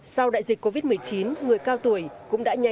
sau đại dịch covid một mươi chín người cao tuổi cũng đã nhanh chóng